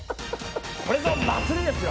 これぞ祭りですよ